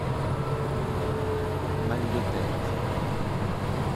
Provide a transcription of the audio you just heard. Mal de tête.